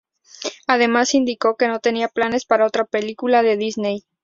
Además indicó que no tenía planes para otra película de Disney.